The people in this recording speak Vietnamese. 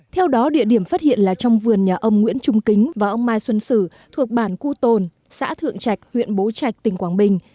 theo đó địa điểm phát hiện là trong vườn nhà ông nguyễn trung kính và ông mai xuân sử thuộc bản cu tồn xã thượng trạch huyện bố trạch tỉnh quảng bình